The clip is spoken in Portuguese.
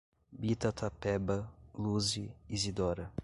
Bita Tapeba, Luze, Izidora